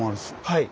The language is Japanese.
はい。